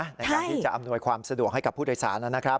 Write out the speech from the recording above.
ในการที่จะอำนวยความสะดวกให้กับผู้โดยสารนะครับ